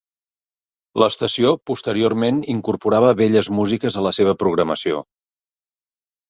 L'estació posteriorment incorporava belles músiques a la seva programació.